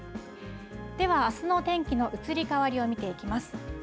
では、あすの天気の移り変わりを見ていきます。